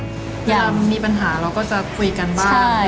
เวลามีปัญหาเราก็จะคุยกันบ้าง